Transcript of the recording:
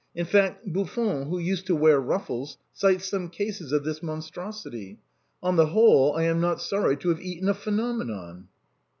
In fact, Buffon (who used to wear ruffles) cites some cases of this mon strosity. On the whole, I am not sorry to have eaten a phenomenon."